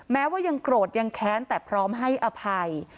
แม้ว่ายังโกรธยังแค้นแต่พร้อมให้อภัย